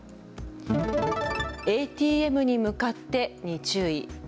ＡＴＭに向かってに注意。